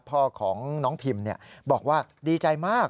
พ่อของน้องพิมบอกว่าดีใจมาก